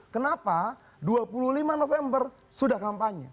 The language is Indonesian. kenapa dua puluh lima november sudah kampanye